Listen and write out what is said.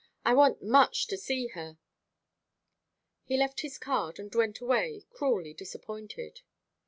"I want much to see her." He left his card, and went away, cruelly disappointed.